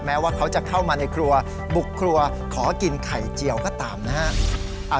ว่าเขาจะเข้ามาในครัวบุกครัวขอกินไข่เจียวก็ตามนะฮะ